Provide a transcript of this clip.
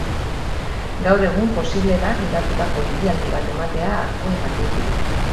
Gaur egun posible da gidatutako ibilaldi bat ematea arkuen gainetik.